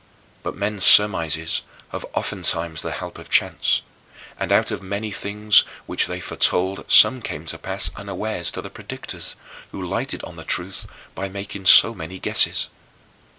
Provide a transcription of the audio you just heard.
But men's surmises have oftentimes the help of chance, and out of many things which they foretold some came to pass unawares to the predictors, who lighted on the truth by making so many guesses.